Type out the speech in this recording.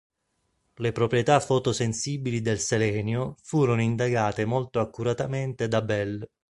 Le proprietà fotosensibili del selenio furono indagate molto accuratamente da Bell.